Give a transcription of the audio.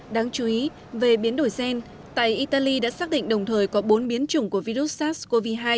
đáng chú ý về biến đổi gen tại italy đã xác định đồng thời có bốn biến chủng của virus sars cov hai